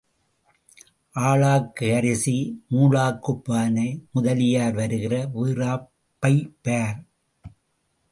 ஆழாக்கு அரிசி, மூழாக்குப் பானை, முதலியார் வருகிற வீறாப்பைப் பார்.